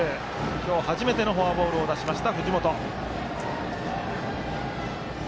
今日、初めてのフォアボールを出しました、藤本。